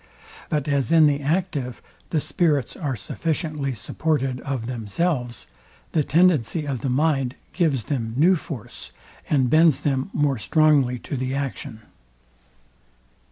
But as in the active, the spirits are sufficiently supported of themselves, the tendency of the mind gives them new force, and bends them more strongly to the action.